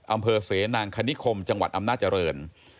อำเภอเสนางคณิคมจังหวัดอำนาจริง